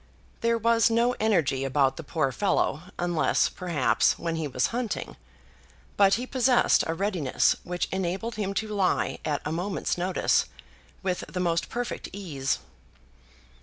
There was no energy about the poor fellow, unless, perhaps, when he was hunting; but he possessed a readiness which enabled him to lie at a moment's notice with the most perfect ease.